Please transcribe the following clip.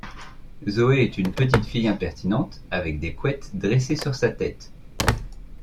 Zoé est une petite fille impertinente, avec des couettes dressées sur sa tête.